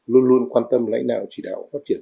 luôn luôn quan tâm lãnh đạo chỉ đạo phát triển